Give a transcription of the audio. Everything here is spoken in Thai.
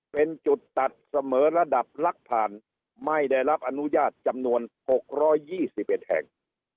เป็นจุดตัดเสมอระดับลักผ่านไม่ได้รับอนุญาตจำนวน๖๒๑แห่ง